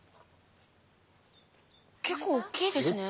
結構おっきいですね。